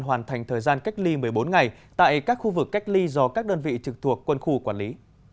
hoàn thành thời gian cách ly một mươi bốn ngày tại các khu vực cách ly do các đơn vị trực thuộc quân khu quản lý